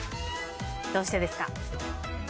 どうしてですか？